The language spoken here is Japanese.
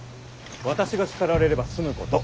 私が叱られれば済むこと。